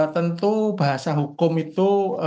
tentu bahasa hukum itu